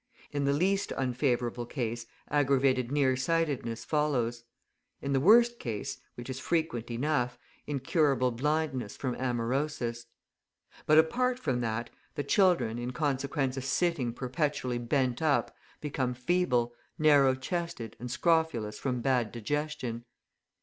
In the least unfavourable case, aggravated near sightedness follows; in the worst case, which is frequent enough, incurable blindness from amaurosis. But, apart from that, the children, in consequence of sitting perpetually bent up, become feeble, narrow chested, and scrofulous from bad digestion.